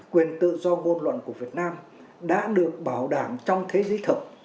quyền tự do ngôn luận của việt nam đã được bảo đảm trong thế giới thực